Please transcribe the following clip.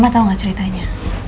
mama tau gak ceritanya